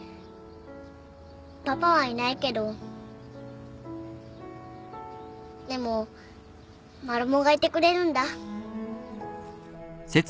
パパはいないけどでもマルモがいてくれるんだ。